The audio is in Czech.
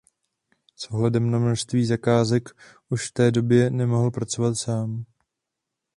S ohledem na množství zakázek už v té době nemohl pracovat sám.